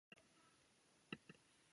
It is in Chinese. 人人有权享有生命、自由和人身安全。